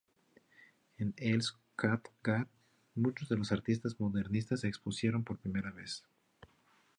En Els Quatre Gats, muchos de los artistas modernistas expusieron por primera vez.